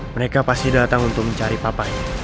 mereka pasti datang untuk mencari papan